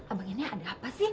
abang ini ada apa sih